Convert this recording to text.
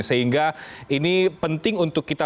sehingga ini penting untuk kita